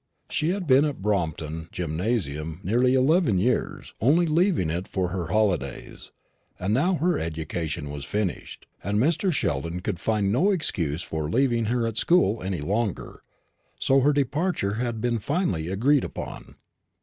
She had been at the Brompton gynæceum nearly eleven years only leaving it for her holidays and now her education was finished, and Mr. Sheldon could find no excuse for leaving her at school any longer, so her departure had been finally agreed upon.